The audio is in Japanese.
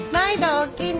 おおきに。